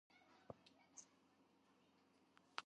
მდებარეობს ლვოვის ოლქის ჟოლკვის რაიონში.